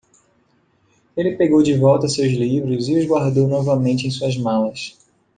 Ele pegou de volta seus livros e os guardou novamente em suas malas.